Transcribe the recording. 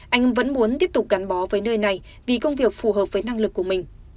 anh vẫn muốn tiếp tục gắn bó với nơi này vì công việc phù hợp với năng lực của mình